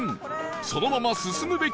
そのまま進むべきなのか？